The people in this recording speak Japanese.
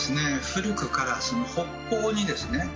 古くから北方にですね